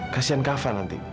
kasian kak fadil nanti